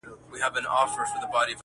نوموړي د افغان کډوالو په تړاو